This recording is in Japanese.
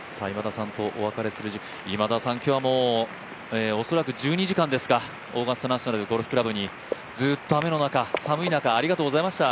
今田さん、今日は恐らく１２時間ですかオーガスタ・ナショナル・ゴルフクラブにずっと雨の中、寒い中ありがとうございました。